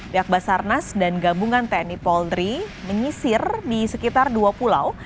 pihak basarnas dan gabungan tni polri menyisir di sekitar dua pulau